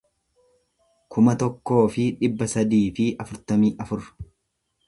kuma tokkoo fi dhibba sadii fi afurtamii afur